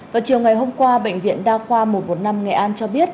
vào chiều ngày hôm qua bệnh viện đa khoa một trăm một mươi năm nghệ an cho biết